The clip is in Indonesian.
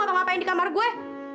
apa apaan di kamar gue